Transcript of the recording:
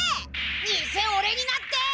偽オレになって！